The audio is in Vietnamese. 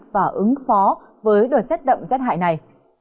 và ứng phó với đợt rét đậm rét hại này